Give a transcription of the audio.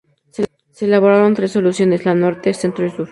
Se elaboraron tres soluciones: la Norte, Centro y Sur.